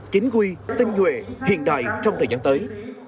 chính quy tinh nhuệ hiện đại trong thời gian tới